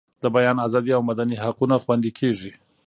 د بیان ازادي او مدني حقونه خوندي کیږي.